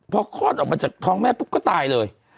พอคลอดออกมาจากท้องแม่ปุ๊บก็ตายเลย